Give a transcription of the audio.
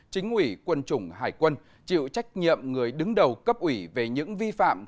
chính ủy quân chủng hải quân chịu trách nhiệm người đứng đầu cấp ủy về những vi phạm